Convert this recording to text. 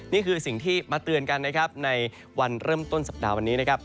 นี่คือสิ่งที่มาเตือนกันในวันเริ่มต้นสัปดาห์วันนี้